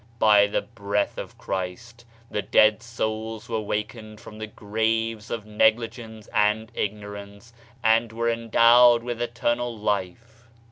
By the breath of Christ the dead souls were wakened from the graves of negligence and ignorance and were endowed with eternal life.